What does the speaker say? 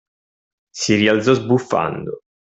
Si rialzò, sbuffando.